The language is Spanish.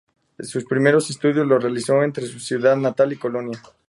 Sus primeros estudios los realizó entre su ciudad natal y Colonia.